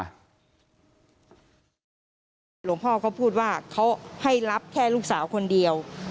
หลวงพ่อเขาพูดว่าเขาให้รับแค่ลูกสาวคนเดียว